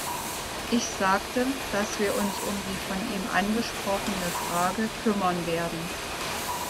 Ich sagte, dass wir uns um die von ihm angesprochene Frage kümmern werden.